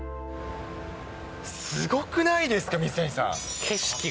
すごくないですか、水谷さん。